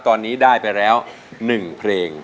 ตอนนี้ได้ไปแล้ว๑เพลง